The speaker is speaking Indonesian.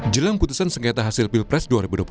jelang putusan sengketa hasil pilpres dua ribu dua puluh